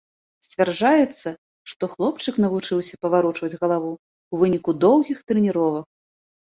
Сцвярджаецца, што хлопчык навучыўся паварочваць галаву ў выніку доўгіх трэніровак.